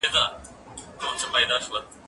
زه به سبا کتاب وليکم،،